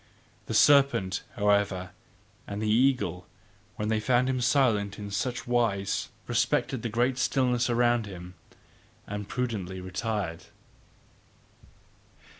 The serpent, however, and the eagle, when they found him silent in such wise, respected the great stillness around him, and prudently retired.